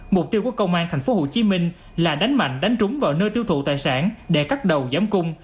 mục tiêu của công an tp hcm là đánh mạnh đánh trúng vào nơi tiêu thụ tài sản để cắt đầu giám cung